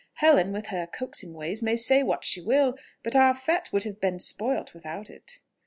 Helen with her coaxing ways may say what she will, but our fête would have been spoilt without it."